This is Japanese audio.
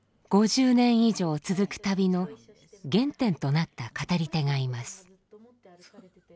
５０年以上続く旅の原点となった語り手がいます。